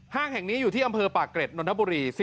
แห่งนี้อยู่ที่อำเภอปากเกร็ดนนทบุรี